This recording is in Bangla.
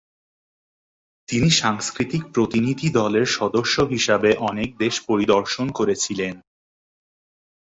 তিনি সাংস্কৃতিক প্রতিনিধি দলের সদস্য হিসাবে অনেক দেশ পরিদর্শন করেছিলেন।